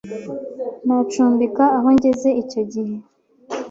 nacumbikaga aho ngeze icyo gihe